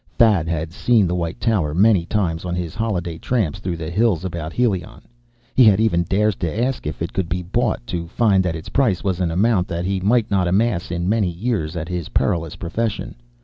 Thad had seen the white tower many times, on his holiday tramps through the hills about Helion. He had even dared to ask if it could be bought, to find that its price was an amount that he might not amass in many years at his perilous profession.